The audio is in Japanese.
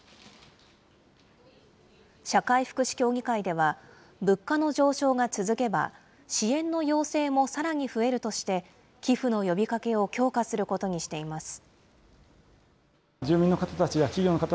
社会福祉協議会では物価の上昇が続けば、支援の要請もさらに増えるとして、寄付の呼びかけを強化することにしています。